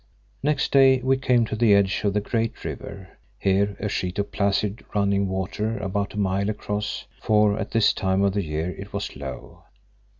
Next day we came to the edge of the Great River, here a sheet of placid running water about a mile across, for at this time of the year it was low.